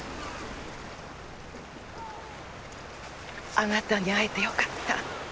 あなたに会えてよかった。